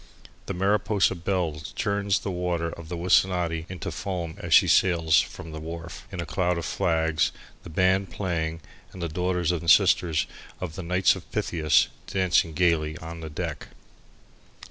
The Mariposa Belle churns the waters of the Wissanotti into foam as she sails out from the wharf, in a cloud of flags, the band playing and the daughters and sisters of the Knights of Pythias dancing gaily on the deck.